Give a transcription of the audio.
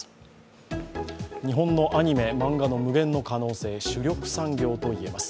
日本のアニメ、漫画の無限の可能性、主力産業と言えます。